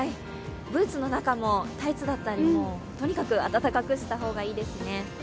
ブーツの中もタイツだったり、とにかく暖かくした方がいいですね。